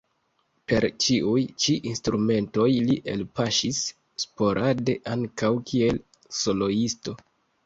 Per ĉiuj ĉi instrumentoj li elpaŝis sporade ankaŭ kiel soloisto.